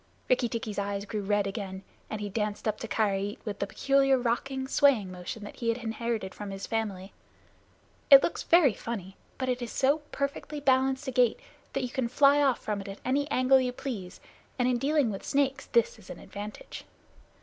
Rikki tikki's eyes grew red again, and he danced up to Karait with the peculiar rocking, swaying motion that he had inherited from his family. It looks very funny, but it is so perfectly balanced a gait that you can fly off from it at any angle you please, and in dealing with snakes this is an advantage.